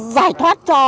giải thoát cho